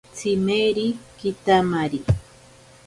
Tsimeri kitamari.